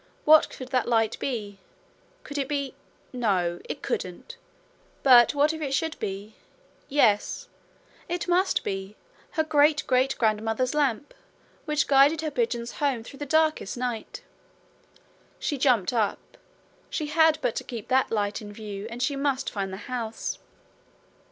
What could that light be? Could it be ? No, it couldn't. But what if it should be yes it must be her great great grandmother's lamp, which guided her pigeons home through the darkest night! She jumped up: she had but to keep that light in view and she must find the house.